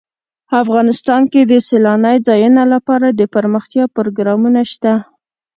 افغانستان کې د سیلانی ځایونه لپاره دپرمختیا پروګرامونه شته.